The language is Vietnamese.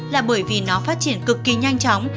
là bởi vì nó phát triển cực kỳ nhanh chóng